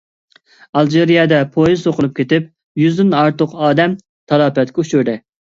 ئالجىرىيەدە پويىز سوقۇلۇپ كېتىپ، يۈزدىن ئارتۇق ئادەم تالاپەتكە ئۇچرىدى.